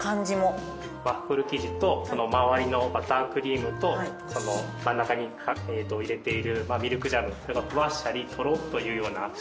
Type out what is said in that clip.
ワッフル生地と周りのバタークリームと真ん中に入れているミルクジャムそれが「ふわっシャリッとろっ」というような食感が楽しめる。